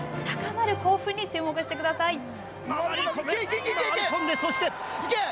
高まる興奮に注目してください。